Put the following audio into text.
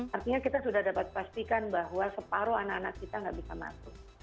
artinya kita sudah dapat pastikan bahwa separuh anak anak kita nggak bisa masuk